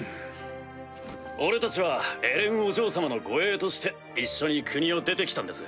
俺たちはエレンお嬢様の護衛として一緒に国を出て来たんです。